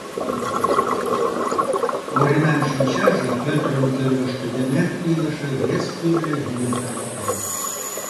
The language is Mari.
Оринан шинчаже Пӧтырын кӧргыштӧ йымен илыше вес тӱрлӧ вийым тарватен.